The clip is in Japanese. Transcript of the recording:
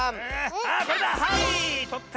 あこれだはいとった！